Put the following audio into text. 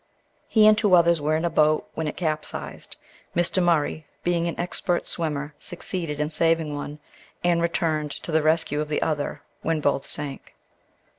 He and two others were in a boat, when it capsized. Mr. Murray, being an expert swimmer, succeeded in saving one, and returned to the rescue of the other, when both sank.